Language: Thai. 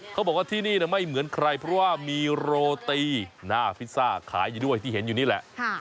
เขาบอกว่าที่นี่ไม่เหมือนใครเพราะว่ามีโรตีหน้าพิซซ่าขายอยู่ด้วยที่เห็นอยู่นี่แหละ